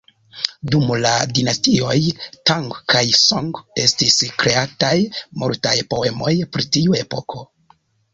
Dum la Dinastioj Tang kaj Song, estis kreataj multaj poemoj pri tiu epoko.